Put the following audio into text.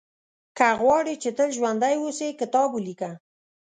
• که غواړې چې تل ژوندی اوسې، کتاب ولیکه.